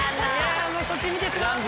そっち見てしまう。